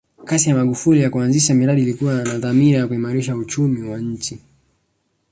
kasi ya magufuli ya kuanzisha miradi ilikuwa na dhamira ya kuimarisha uchumia wa nchi